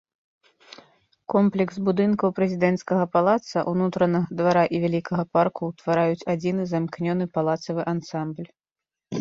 Комплекс будынкаў прэзідэнцкага палаца, унутранага двара і вялікага парку ўтвараюць адзіны замкнёны палацавы ансамбль.